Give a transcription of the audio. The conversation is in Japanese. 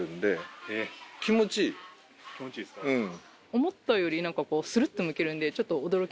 思ったよりスルッとむけるんでちょっと驚きました。